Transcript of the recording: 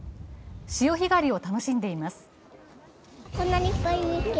潮干狩りを楽しんでいます。